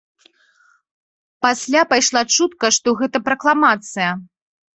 Пасля пайшла чутка, што гэта пракламацыя.